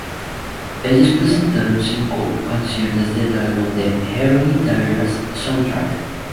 Ellos presentaron cinco canciones del álbum "The Heroin Diaries Soundtrack".